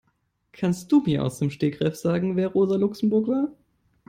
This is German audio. Kannst du mir aus dem Stegreif sagen, wer Rosa Luxemburg war?